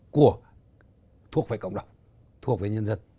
của thuộc về cộng đồng thuộc về nhân dân